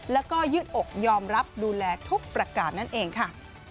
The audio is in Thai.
แล้วก็ยืดอกยอมรับดูแลทุกประกาศนั่นเองค่ะ